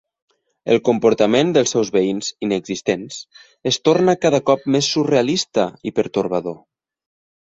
El comportament dels seus veïns "inexistents" es torna cada cop més surrealista i pertorbador.